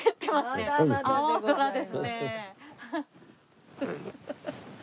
青空ですね。